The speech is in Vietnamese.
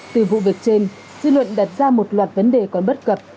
từ vụ việc trên dư luận đặt ra một loạt vấn đề còn bất cập